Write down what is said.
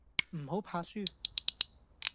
唔好怕輸